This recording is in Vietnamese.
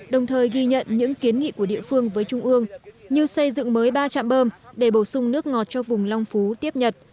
đồng thời ghi nhận những kiến nghị của địa phương với trung ương như xây dựng mới ba trạm bơm để bổ sung nước ngọt cho vùng long phú tiếp nhật